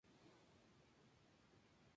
Juega como local en el estadio Jesús Navas.